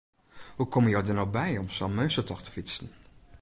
Hoe komme jo der no by om sa'n meunstertocht te fytsen?